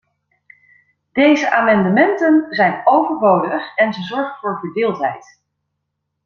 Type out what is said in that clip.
Deze amendementen zijn overbodig en ze zorgen voor verdeeldheid.